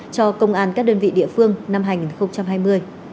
cho công an các đơn vị địa phương năm hai nghìn hai mươi